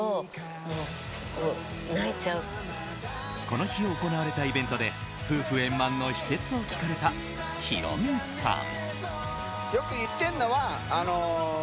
この日、行われたイベントで夫婦円満の秘訣を聞かれたヒロミさん。